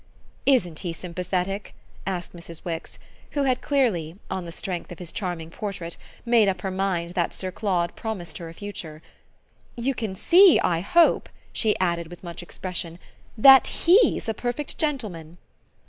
"ISN'T he sympathetic?" asked Mrs. Wix, who had clearly, on the strength of his charming portrait, made up her mind that Sir Claude promised her a future. "You can see, I hope," she added with much expression, "that HE'S a perfect gentleman!"